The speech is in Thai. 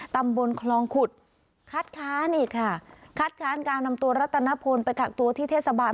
ตำบลคลองขุดคัดค้านอีกค่ะคัดค้านการนำตัวรัตนพลไปกักตัวที่เทศบาล